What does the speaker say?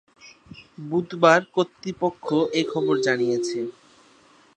বুধবার কর্তৃপক্ষ এ খবর জানিয়েছে।